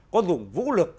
có dùng vũ lực